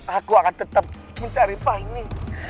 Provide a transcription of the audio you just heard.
aku akan tetap mencari pak ini